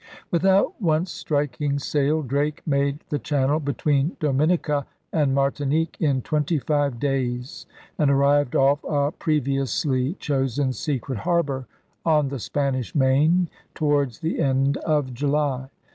' Without once striking sail Drake made the channel between Dominica and Martinique in twenty five days and arrived off a previously chosen secret harbor on the Spanish Main towards the end of July.